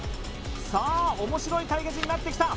さあ面白い対決になってきた